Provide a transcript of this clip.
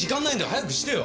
早くしてよ！